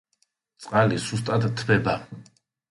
წყალი სუსტად თბება.